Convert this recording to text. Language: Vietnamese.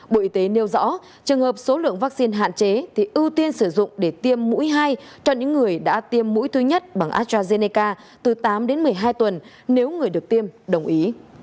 bộ y tế nêu rõ trường hợp số lượng vaccine hạn chế thì ưu tiên sử dụng để tiêm mũi hai cho những người đã tiêm mũi thứ nhất bằng astrazeneca từ tám đến một mươi hai tuần nếu người được tiêm đồng ý